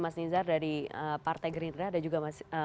mas izar dari partai gerindra ada juga